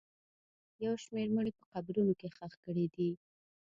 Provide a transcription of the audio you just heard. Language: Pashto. یو شمېر مړي په قبرونو کې ښخ کړي دي